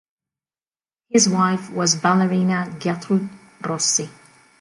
His wife was ballerina Guertroude Rossi.